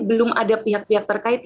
belum ada pihak pihak terkait